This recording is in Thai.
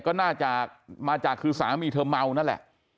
ก็น่าจะมาจากคือสามีเธอเมานั่นแหละ